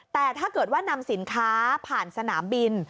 แต่ถ้าเกิดว่านำสินค้าผ่านสนามบิน